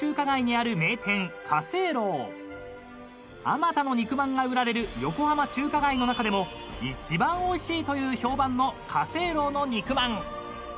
［あまたの肉まんが売られる横浜中華街の中でも一番おいしいという評判の華正樓の肉まん］